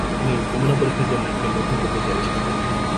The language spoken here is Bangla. তিনি নমুনা পরীক্ষার জন্য একটি নতুন পদ্ধতি আবিষ্কার করেন।